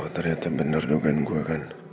ternyata bener dogan gue kan